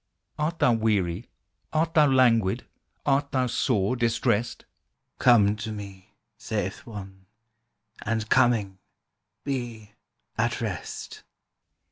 Art thou weary, art thou languid, Art thou sore distressed? "Come to Me," saith One, "and coming, Be at rest."